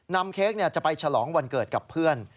เค้กจะไปฉลองวันเกิดกับเพื่อน